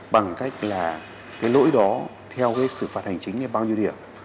bằng cách là cái lỗi đó theo cái xử phạt hành chính là bao nhiêu điểm